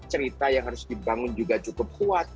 cerita yang harus dibangun juga cukup kuat